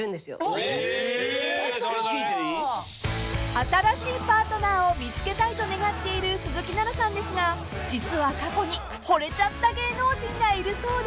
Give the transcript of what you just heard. ［新しいパートナーを見つけたいと願っている鈴木奈々さんですが実は過去にほれちゃった芸能人がいるそうで］